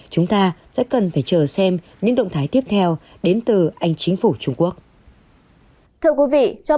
chúng ta sẽ cần phải chờ xem những động thái tiếp theo đến từ anh chính phủ trung quốc